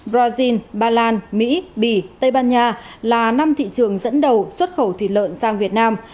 brazil ba lan mỹ bỉ tây ban nha là năm thị trường dẫn đầu xuất khẩu thịt lợn sang việt nam